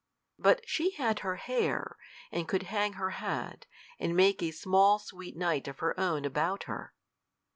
But she had her hair, and could hang her head, and make a small sweet night of her own about her!